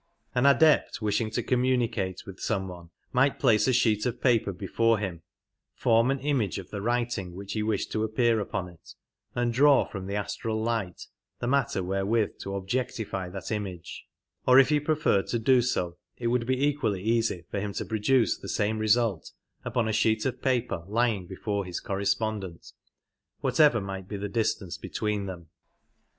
An Adept wishing to communicate with some one might place a sheet of paper before him, form an image of the writing which he wished to appear upon it, and draw from the astral light the matter wherewith to objectify that image ; or if he preferred to do so it would be equally easy for him to produce the same result upon a sheet of paper lying before his correspondent, whatever might be the 95 distance between them.